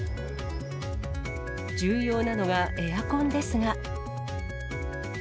重要なのがエアコンですが。